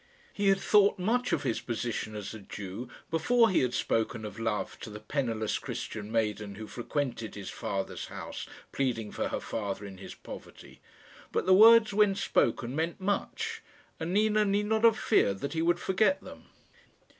He had thought much of his position as a Jew before he had spoken of love to the penniless Christian maiden who frequented his father's house, pleading for her father in his poverty; but the words when spoken meant much, and Nina need not have feared that he would forget them.